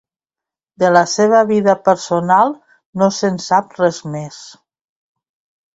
De la seva vida personal no se'n sap res més.